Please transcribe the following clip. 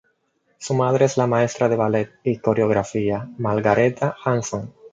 Su madre es la maestra de ballet y coreógrafa Margareta Hanson.